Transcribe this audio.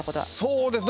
そうですね。